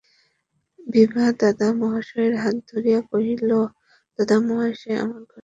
বিভা দাদামহাশয়ের হাত ধরিয়া কহিল, দাদামহাশয়, আমার ঘরে এস।